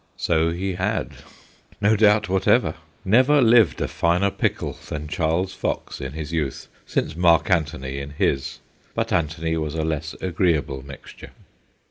So he had no doubt whatever. Never lived a finer pickle than Charles Fox in his youth since Mark Antony in his ; but Antony was a less agreeable mixture.